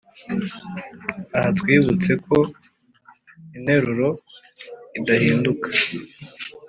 Aha twibutse ko interuro idahinduka